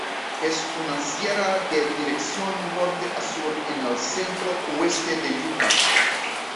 Es una sierra de dirección norte a sur en el centro-oeste de Utah.